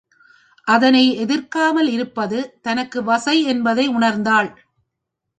அதனை எதிர்க்காமல் இருப்பது தனக்கு வசை என்பதை உணர்ந்தாள்.